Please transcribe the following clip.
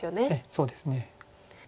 そうですね。